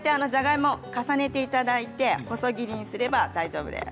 じゃがいもを重ねていただいて細切りにすれば大丈夫です。